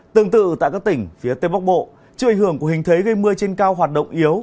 tương tự tại các tỉnh phía tây bắc bộ chưa ảnh hưởng của hình thế gây mưa trên cao hoạt động yếu